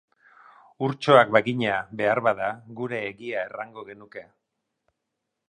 Urtxoak bagina, behar bada, gure egia errango genuke.